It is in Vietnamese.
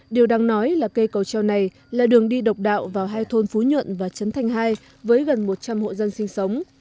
điều đáng nói là cây cầu treo này là đường đi độc đạo vào hai thôn phú nhuận và trấn thanh hai với gần một trăm linh hộ dân sinh sống